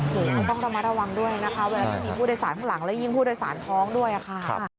โอ้โหมันต้องระมัดระวังด้วยนะคะเวลาที่มีผู้โดยสารข้างหลังแล้วยิ่งผู้โดยสารท้องด้วยค่ะ